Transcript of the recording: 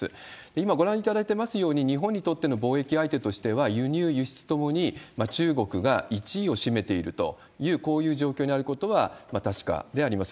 今ご覧いただいてますように、日本にとっての貿易相手としては輸入、輸出ともに、中国が１位を占めているという、こういう状況にあることは、確かであります。